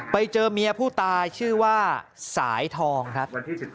ไปเจอเมียผู้ตายชื่อว่าสายทองครับ